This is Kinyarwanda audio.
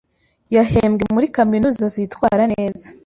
yahembwe muri kaminuza zitwara neza